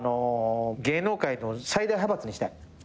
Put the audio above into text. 芸能界の最大派閥にしたい。